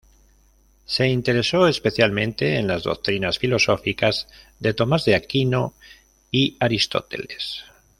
Se interesó especialmente en las doctrinas filosóficas de Tomás de Aquino y Aristóteles.